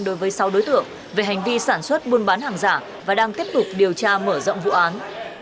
đối với sáu đối tượng về hành vi sản xuất buôn bán hàng giả và đang tiếp tục điều tra mở rộng vụ án